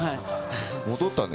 戻ったね。